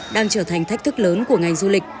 đang trở thành thách thức lớn của ngành du lịch